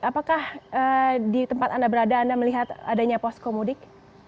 apakah di tempat anda berada anda melihat adanya poskomudik